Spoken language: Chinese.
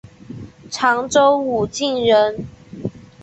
常州武进人。